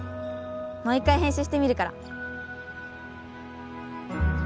もう一回編集してみるから。